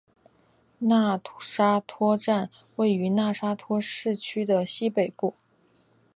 讷沙托站位于讷沙托市区的西北部。